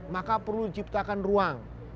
maka perlu diciptakan ruang